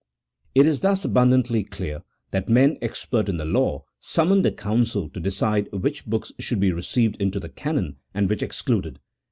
It is thus abundantly clear that men expert in the law summoned a council to decide which books should be re ceived into the canon, and which excluded.